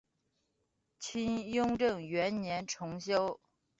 清雍正元年重修。